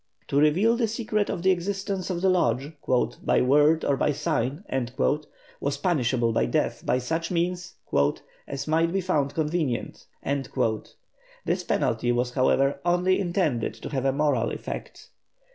To reveal the secret of the existence of the Lodge "by word or by sign" was punishable by death by such means "as might be found convenient." This penalty, was, however, only intended to have a moral effect.